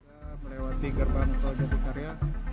kita melewati gerbang tol jatikarya